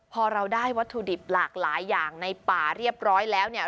พอเราได้วัตถุดิบหลากหลายอย่างในป่าเรียบร้อยแล้วเนี่ย